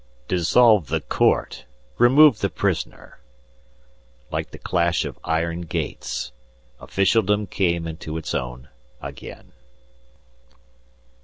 "Dissolve the Court. Remove the prisoner." Like the clash of iron gates, officialdom came into its own again.